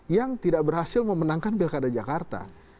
yang tidak berhasil memenangkan pilkada jakarta